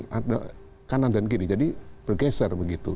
karena kanan dan kiri jadi bergeser begitu